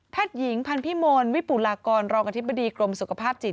แพทย์หญิงพันธุ์พิมนต์วิปุรากรรองกันธิบดีกรมสุขภาพจิต